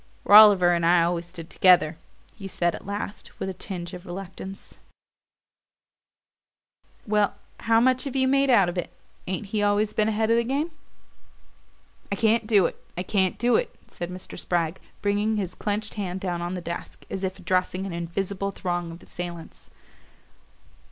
"Rolliver and I always stood together," he said at last, with a tinge of reluctance. "Well, how much have you made out of it? Ain't he always been ahead of the game?" "I can't do it I can't do it," said Mr. Spragg, bringing his clenched hand down on the desk, as if addressing an invisible throng of assailants.